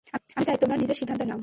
আমি চাই তোমরা নিজে সিদ্ধান্ত নাও।